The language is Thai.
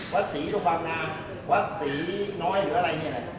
วัดศรีตรงบ้างน้ำวัดศรีน้อยหรืออะไรนี้นะ